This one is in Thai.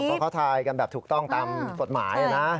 เพราะเขาทายกันแบบถูกต้องตามกฎหมายนะ